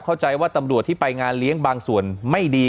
เข้าใจว่าตำรวจที่ไปงานเลี้ยงบางส่วนไม่ดี